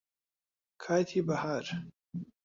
کاتی بەهار